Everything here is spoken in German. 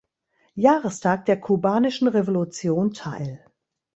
Jahrestag der Kubanischen Revolution teil.